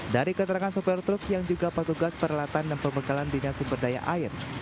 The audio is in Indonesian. dari keterangan sopir truk yang juga petugas peralatan dan pembekalan dinas sumber daya air